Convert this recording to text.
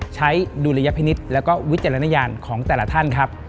ใช้ดูระยะพินิษฐ์แล้วก็วิจัยละยานของแต่ละท่านครับ